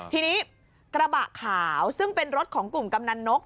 ทีนี้กระบะขาวซึ่งเป็นรถของกลุ่มกำนันนก